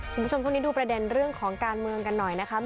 คุณผู้ชมช่วงนี้ดูประเด็นเรื่องของการเมืองกันหน่อยนะครับ